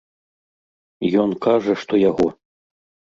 Ён кажа, што яго.